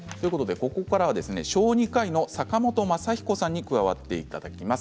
ここからは小児科医の坂本昌彦さんに加わっていただきます。